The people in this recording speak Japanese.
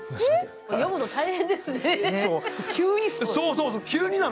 読むの大変ですね。